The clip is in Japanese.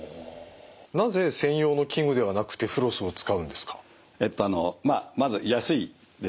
なぜ専用の器具ではなくてフロスを使うんですか？